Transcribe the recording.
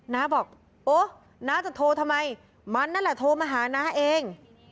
น้าบอกโอ๊ะน้าจะโทรทำไมมันนั่นแหละโทรมาหาน้าเอง